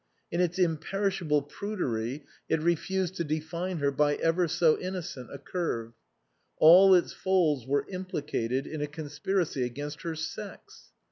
In its imperishable prudery it refused to define her by ever so innocent a curve ; all its folds were implicated in a con spiracy against her sex.